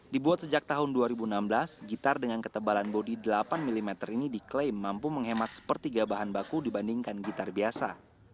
dibuat sejak tahun dua ribu enam belas gitar dengan ketebalan bodi delapan mm ini diklaim mampu menghemat sepertiga bahan baku dibandingkan gitar biasa